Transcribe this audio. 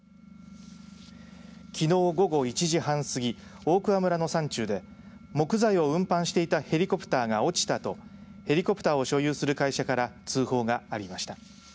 きのう午後１時半過ぎ大桑村の山中で木材を運搬していたヘリコプターが落ちたとヘリコプターを所有する会社から通報がありました。